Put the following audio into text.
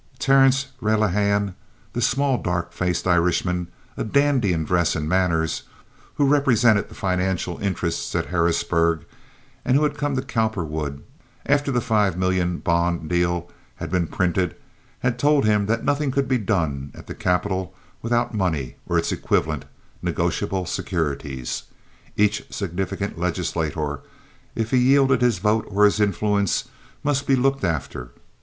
Terrence Relihan—the small, dark faced Irishman, a dandy in dress and manners—who represented the financial interests at Harrisburg, and who had come to Cowperwood after the five million bond deal had been printed, had told him that nothing could be done at the capital without money, or its equivalent, negotiable securities. Each significant legislator, if he yielded his vote or his influence, must be looked after.